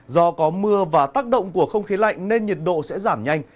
do có mưa và tác động của không khí lạnh nên nhiệt độ sẽ giảm nhanh